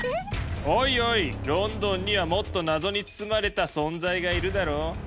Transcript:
おいおいロンドンにはもっと謎に包まれた存在がいるだろう？